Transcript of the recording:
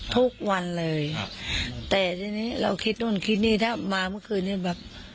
ทุกวันเลยครับแต่ทีนี้เราคิดนู่นคิดนี่ถ้ามาเมื่อคืนนี้แบบ